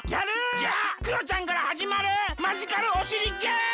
じゃあクヨちゃんからはじまるマジカルおしりゲーム！